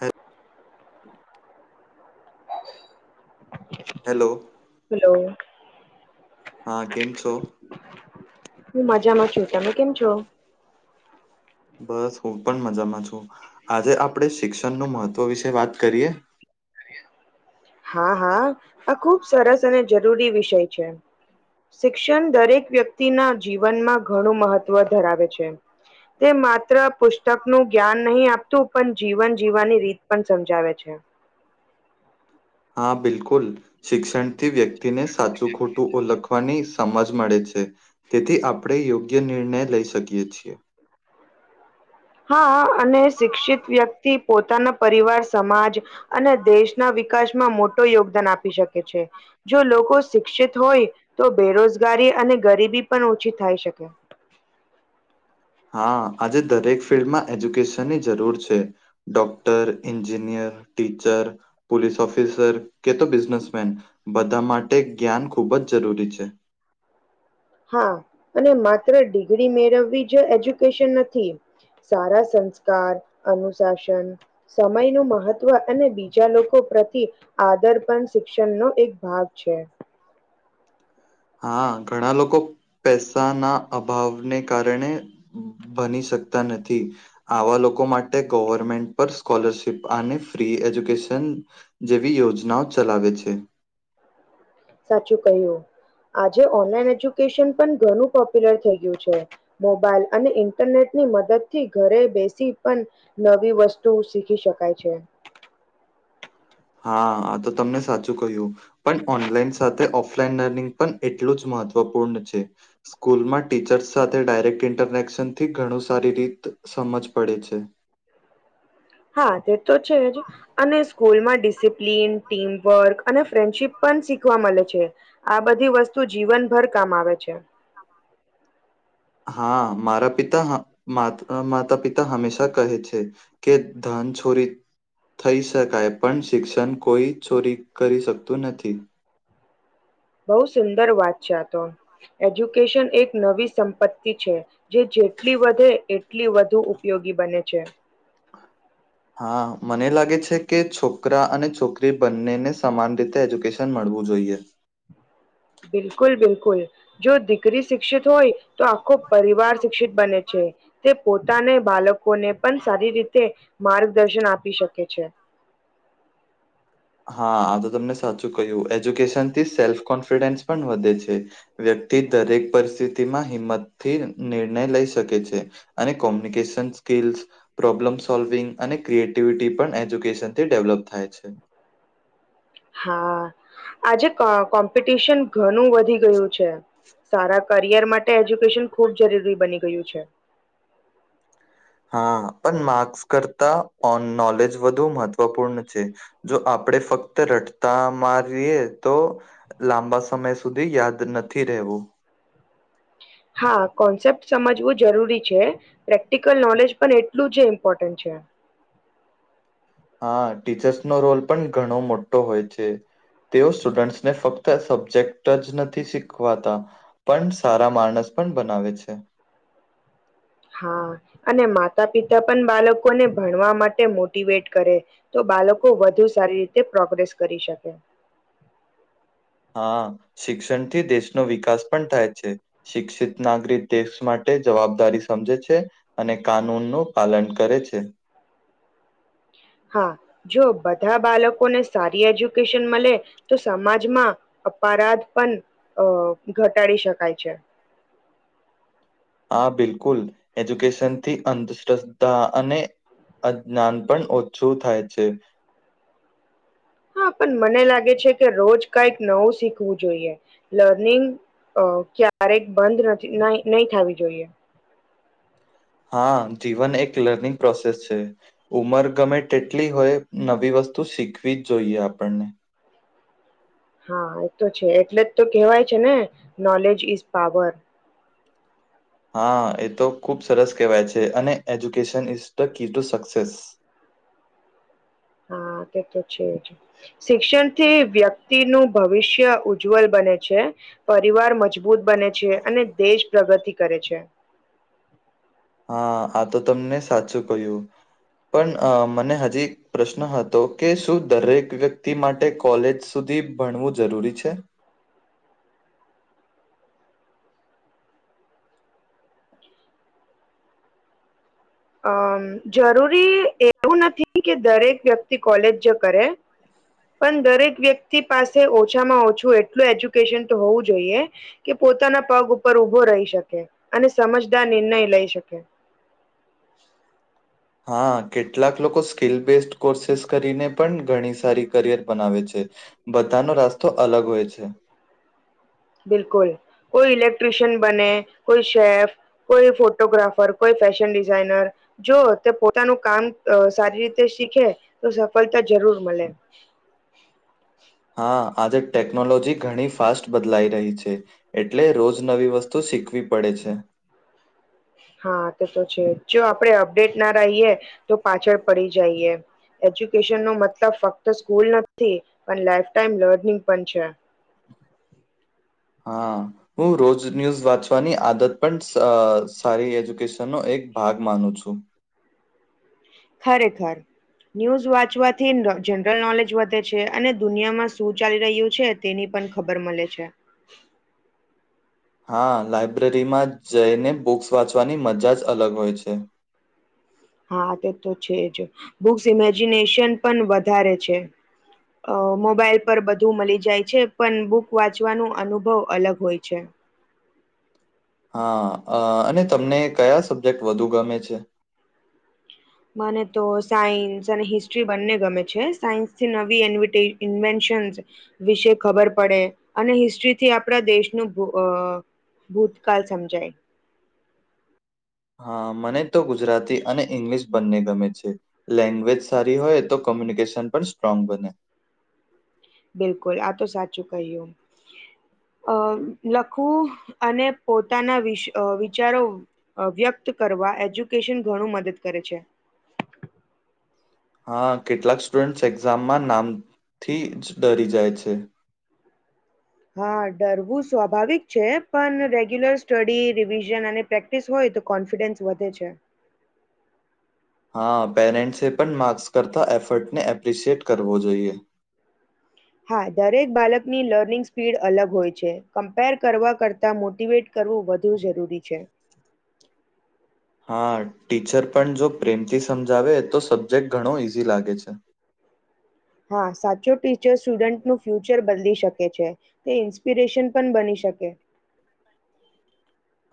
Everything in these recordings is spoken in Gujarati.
હે [inaudible] હેલો હલો હા, કેમ છો? હું મજામાં છું. તમે કેમ છો? બસ, હું પણ મજામાં છું. આજે આપણે શિક્ષણનું મહત્ત્વ વિશે વાત કરીએ? હા હા. આ ખુબ સરસ અને જરૂરી વિષય છે. શિક્ષણ દરેક વ્યક્તિના જીવનમાં- ઘણું મહત્વ ધરાવે છે. તે માત્ર પૂ તકનું જ્ઞાન નહીં આપતું, પણ જીવન જીવવાની રીત પણ સમજાવે છે. હા, બિલકુલ શિક્ષણથી વ્યક્તિને સાચું, ખોટું ઓળખવાની સમજ મળે છે. તેથી, આપણે યોગ્ય નિર્ણય લઈ શકીએ છીએ. હા, અને શિક્ષિત વ્યક્તિ પોતાના પરિવાર સમાજ અને, દેશના વિકાસમાં, મોટો યોગદાન આપી શકે છે. જો, લોકો શિક્ષિત હોય, તો બેરોજગારી અને ગરીબી પણ ઓછી થાય શકે. હા, આજે દરેક ફિલ્ડમાં એજ્યુકેશનની જરૂર છે. Doctor, engineer, teacher police officer કે તો બિઝનેસમેન બધા માટે જ્ઞાન ખૂબ જ જરૂરી છે. હા, અને માત્ર ડિગ્રી મેળવવી જ એજ્યુકેશન નથી. સારા સંસ્કાર, અનુશાસન સમયનું મહત્વ અને બીજા લોકો પ્રતિ આદર પણ શિક્ષણનો એક ભાગ છે. હા, ઘણા લોકો પૈસાના અભાવને કારણે બની શકતા નથી આવા લોકો માટે ગવર્મેન્ટ પર સ્કોલરશિપ અને ફ્રી એજ્યુકેશન જેવી યોજનાઓ ચલાવે છે. સાચું કહ્યું આજે ઓનલાઈન એજ્યુકેશન પણ ઘણું પોપ્યુલર થઈ ગયું છે. મોબાઈલ અને ઇન્ટરનેટ ની મદદ થી ઘરે બેસી પણ નવી વસ્તુ શીખી શકાય છે હા આ તો તમને સાચું કહ્યું પણ ઓનલાઈન સાથે ઓફલાઈન લર્નિંગ પણ એટલું જ મહત્વપૂર્ણ છે. સ્કૂલમાં ટીચર્સ સાથે ડાયરેક્ટ ઇન્ટરનેક્શન થી ઘણું સારી રીત સમજ પડે છે. હા તે તો છે જ અને સ્કૂલમાં ડિસિપ્લન ટીમવર્ક અને ફ્રેન્ડશીપ પણ શીખવા મળે છે. આ બધી વસ્તુ જીવનભર કામ આવે છે. હા મારા પિતા હા માતા પિતા હંમેશા કહે છે. કે ધન છોરી થઈ શકાય પણ શિક્ષણ કોઈ ચોરી કરી શકતું નથી. બહુ સુંદર વાત છે આ તો એજ્યુકેશન એક નવી સંપત્તિ છે. જે જેટલી વધે એટલી વધુ ઉપયોગી બને છે. હા મને લાગે છે કે છોકરા અને છોકરી બંનેને સમાન રીતે એજ્યુકેશન મળવું જોઈએ. બિલકુલ બિલકુલ જો દીકરી શિક્ષિત હોય તો આખો પરિવાર શિક્ષિત બને છે. તે પોતાને બાળકોને પણ સારી રીતે માર્ગદર્શન આપી શકે છે. હા આ તો તમને સાચું કહ્યું એજ્યુકેશન થી સેલ્ફ કોન્ફિડન્સ પણ વધે છે. વ્યક્તિ દરેક પરિસ્થિતિમાં હિંમતથી નિર્ણય લઈ શકે છે. અને કોમ્યુનિકેશન સ્કિલ્સ પ્રોબ્લમ સોલ્વિંગ અને ક્રિએટિવિટી પણ એજ્યુકેશનથી ડેવલપ થાય છે. હા આજે અ કોમ્પિટિશન ઘણું વધી ગયું છે. સારા કરિયર માટે એજ્યુકેશન ખુબ જરૂરી બની ગયું છે. હા પણ માર્ક્સ કરતા ઓન નોલેજ વધુ મહત્વપૂર્ણ છે. જો આપણે ફક્ત રટતા મારીએ તો લાંબા સમય સુધી યાદ નથી રહેવું હા કોન્સેપ્ટ સમજવું જરૂરી છે. પ્રેક્ટિકલ નોલેજ પણ એટલું જ ઇમ્પોર્ટન્ટ છે. હા ટીચર્સનો રોલ પણ ઘણો મોટો હોય છે. તેઓ સ્ટુડન્ટસને ફક્ત સબ્જેક્ટ જ નથી શીખવાતા પણ સારા માણસ પણ બનાવે છે. હા અને માતા-પિતા પન બાલકોને ભણવા માટે મોટીવેટ કરે. તો બાલકો વધુ સારી રીતે પ્રોગ્રેસ કરી શકે. હા. શિક્ષણથી દેશનો વિકાસ પણ થાય છે. શિક્ષિત નાગરીક દેશ માટે જવાબદારી સમજે છે. અને કાનૂનનું પાલન કરે છે. હા. જો બધા બાલકોને સારી એજ્યુકેશન મલે તો સમાજમાં અપારાધ પણ અ ઘટાડી શકાય છે. આ બિલકુલ! એજ્યુકેશનથી અંધશ્રદ્ધા અને અદનાન પણ ઓછું થાય છે. હા પણ મને લાગે છે કે, રોજ કઈક નવું શીખવું જોઈએ. લર્નિંગ અ ક્યારેક બંધ રધી નાઈ નહી થવી જોઈએ. હા, જીવન એક લર્નિંગ પ્રોસેસ છે. ઉંમર ગમે તેટલી હોય, નવી વસ્તુ શીખવી જ જોઈએ આપણને હા એ તો છે. એટલે જ તો કેહેવાય છે ને, નોલેજ ઈઝ પાવર. હા એ તો ખુબ સરસ કહેવાય છે, અને education is the key to success. હા તે તો છે જ. શિક્ષણથી વ્યક્તિનું ભવિષ્ય ઉજ્જવલ બને છે. પરિવાર મજબુત બને છે અને દેશ પ્રગતિ છે. હા આ તો તમને સાચું કહ્યું. પણ મને હજી પ્રશ્ન હતો કે, શું દરેક વ્યક્તિ માટે કોલેજ સુધી ભણવું જરૂરી છે? અમ જરૂરી એવું નથી કે દરેક વ્યક્તિ કોલે જ કરે. પણ દરેક વ્યક્તિ પાસે ઓછામાં ઓછું એટલું એજ્યુકેશન તો હોવું જોઈએ, કે પોતાના પગ ઉપર ઊભો રહી શકે અને સમજદાર નિર્ણય લઈ શકે. [inaudible] હા કેટલાક લોકો સ્કીિલ બેઝડ કોર્સેસ કરીને પણ ઘણી સારી કરિયર બનાવે છે. બધાનો રાસ્તો અલગ હોય છે. બિલકુલ, કોઈ ઇક્ટ્રીિશિયન બને કોઈ શેફ, કોઈ ફોટોગ્રાફર, કોઈ ફેશન ડિઝાઇનર જો તે પોતાનું કામ અ સારી રીતે શીખે, તો સફળતા જરૂર મળે. હા, આજે ટેકનોલોજી ઘણી ફાસ્ટ બદલાઈ રહી છે. એટલે રોજ નવી વસ્તુ શીખવી પડે છે. હા તે તો છે જ. જો આપડે અપડેટ ના રહીએ તો પાછળ પડી જઈએ. એજ્યુકેશનનો મતલબ ફક્ત સ્કૂલ નથી પણ લાઈફ ટાઈમ લર્નિંગ પણ છે. હા. હું રોજ ન્યૂઝ વાંચવાની આદત પણ અ સારી એજ્યુકેશનનો એક ભાગ માનું છું. ખરેખર. ન્યૂઝ વાંચવાથી જનરલ નોલેજ વધે છે અને દુનિયામાં શું ચાલી રહ્યું છે, તેની પણ ખબર મલે છે. હા લાઈબ્રેરીમાં જઈને બુક્સ વાંચવાની મજા જ અલગ હોય છે. હા તે તો છે જ. બુક્સ ઇમેજિનેશન પણ વધારે છે. અ મોબાઇલ પર બધું મલી જાય છે પન, બુક વાંચવાનો અનુભવ અલગ હોય છે. હા-અ- અને તમને કયા સબ્જેક્ટ વધુ ગમે છે? મને તો સાયન્સ અને હિસ્ટ્રી બંને ગમે છે. સાયન્સથી નવી ઇન્વિટી-ઇન્વેન્શન્સ વિશે ખબર પડે. અને હિસ્ટ્રીથી આપણા દેશનું ભૂતકાળ સમજાય. હા મને તો ગુજરાતી અને ઇંગ્લિશ બંને ગમે છે. લેંગ્વેજ સારી હોય તો કોમ્યુનિકેશન પણ સ્ટ્રોંગ બને. બિલકુલ, આ તો સાચું કહય્યું. અ લખવું અને પોતાના વિષ-વિચારો વ્યક્ત કરવા એજ્યુકેશન ઘણું મદદ કરે છે. હા કેટલાક સ્ટુડન્ટ એક્ઝામમાં નામથી જ ડરી જાય છે. હા છે. પણ રેગ્યુલર સ્ટડી રિવિઝન અને પ્રેક્ટિસ હોય તો કોન્ફિડન્સ વધે છે. હા પૅરેન્ટસે પણ માર્ક્સ કરતા એફર્ટને એપ્રિશિએટ કરવો જોઈએ. હા દરેક બાલકની લર્નિંગ સ્પીડ અલગ હોય છે, કમ્પેર કરવા કરતા મોટીવેટ કરવું વધુ જરૂરી છે. હા ટીચર પણ જો પ્રેમથી સમજાવે તો સબ્જેક્ટ ઘણો ઈઝી લાગે છે. હા સાચો ટીચર સ્ટુડન્ટનુ ફ્યુચર બદલી શકે છે. તે ઇન્સ્પિરેશન પણ બની શકે.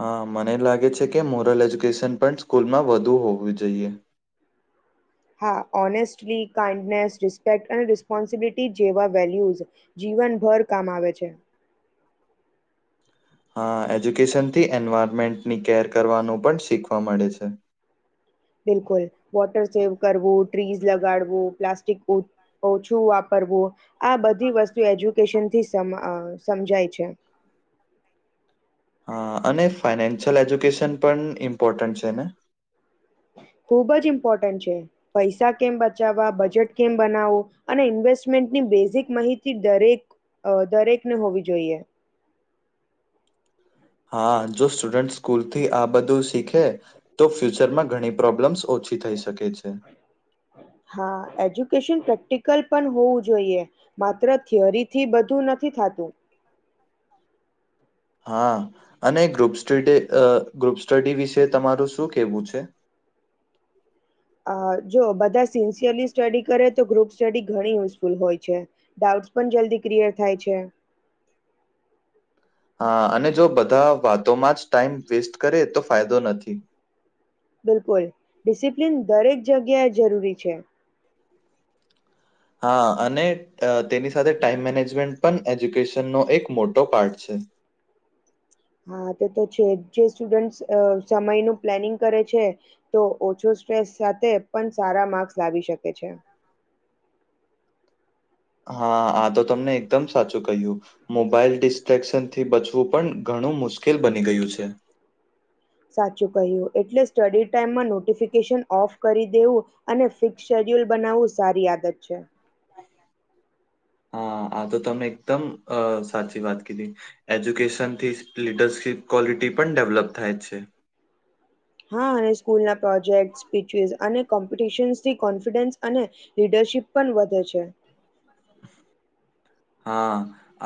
હા મને લાગે છે, કે મોરલ એજ્યુકેશન પણ સ્કૂલમાં વધુ હોવી જોઈએ. હા ઓનેસ્ટલી, કાઇન્ડનેસ, રિસ્પેક્ટ અને રિસ્પોન્સિબિલિટી જેવા વેલ્યુઝ. જીવન ભર કામ આવે છે. હા એજ્યુકેશનથી એન્વાયરમેન્ટની કેર કરવાનું પણ શીખવા મળે છે. બિલકુલ વોટર સેવ, કરવું ટ્રીઝ લગાડવું, પ્લાસ્ટિક બોટ, ઓછું વાપરવું, આ બધી વસ્તુ એજ્યુકેશન થી સમજાય છે. હા અને ફાઈનાન્શિયલ એજ્યુકેશન પણ ઇમ્પોર્ટન્ટ છે ને? ખુબ જ ઇમ્પોર્ટન્ટ છે. પૈસા કેમ બચાવવા બજેટ કેમ બનાવવું... અને ઇન્વેસ્ટમેન્ટની બેઝિક માહિતી દરેક અ દરેકને હોવી જોઈએ. હા જો સ્ટુડન્ટ સ્કૂલ થી આ બધું શીખે. તો ફ્યુચરમાં ઘણી પ્રોબ્લેમ્સ ઓછી થઈ શકે છે. હા એજ્યુકેશન પ્રેક્ટિકલ પણ હોવું જોઈએ. માત્ર થિયરી થી બધું નથી થતું. હા અને group study uh group study વિશે તમારું શું કેવું છે? અ જો બધા સિન્સિયરલી સ્ટડી કરે તો ગ્રુપ સ્ટડી ઘણી યુઝફુલ હોય છે. ડાઉટ્સ પણ જલ્દી ક્લિયર થાય છે. હા અને જો બધા વાતોમાં જ ટાઈમ વેસ્ટ કરે તો ફાયદો નથી. બિલકુલ ડિસિપ્લિન દરેક જગ્યાએ જરૂરી છે. હા અને તેની સાથે ટાઈમ મેનેજમેન્ટ પણ એજ્યુકેશનનો એક મોટો પાર્ટ છે. હા તે તો છે જે સ્ટુડન્ટ અ સમયનું પ્લાનિંગ કરે છે. તો ઓછો સ્ટ્રેસ સાથે, પણ સારા માર્ક્સ લાવી શકે છે. હા આ તો તમને એકદમ સાચું કહ્યું. મોબાઈલ ડિસ્ટ્ર્રેક્શન થી બચવું પણ ઘણું મુશ્કેલ બની ગયું છે. સાચું કહ્યું. ‌ એટલે સ્ટડી ટાઈમમાં નોટિફિકેશન ઓફ કરી દેવું. અને ફિક્સ શેડ્યુલ બનાવવું સારી આદત છે. હા આ તો તમે એકદમ અ સાચી વાત કીધી. એજ્યુકેશન થી લીડરશિપ ક્વોલિટી પણ ડેવલપ થાય છે. હા અને સ્કૂલના પ્રોજેક્ટ, સ્પીચસ અને કોમ્પિટશનસથી કોન્ફિડન્સ અને... લીડરશીપ પણ વધે છે. હા.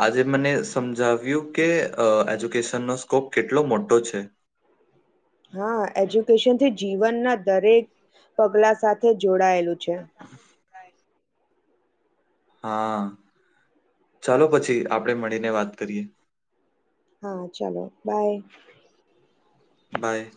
આજે મને સમજાવ્યું કે અ એજ્યુકેશનનો સ્કોપ કેટલો મોટો છે. હા એજ્યુકેશનથ જે જીવનના દરેક પગલા સાથે જોડાયેલું છે. [inaudible] હા ચાલો પછી આપણેે મળીને વાત કરીએ. હા ચાલો બાઇ. બાય.